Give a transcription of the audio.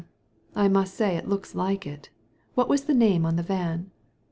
I must say it looks like it. What was the name on the van